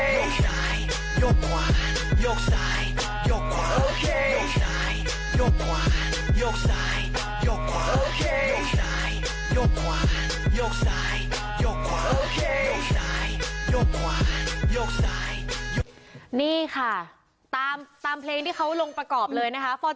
นี่ค่ะนี่ค่ะตามตามเพลงที่เขาลงประกอบเลยนะคะ